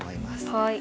はい。